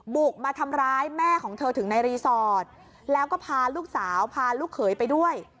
บุกมาทำร้ายแม่ของเธอถึงในรีสอร์ทแล้วก็พาลูกสาวพาลูกเขยไปด้วย